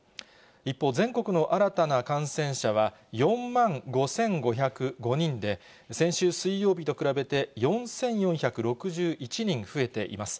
一方、全国の新たな感染者は、４万５５０５人で、先週水曜日と比べて４４６１人増えています。